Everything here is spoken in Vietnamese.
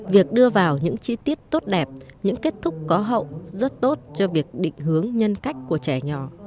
việc đưa vào những chi tiết tốt đẹp những kết thúc có hậu rất tốt cho việc định hướng nhân cách của trẻ nhỏ